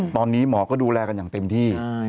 ตอนนี้หมอก็ดูแลกันอย่างเต็มที่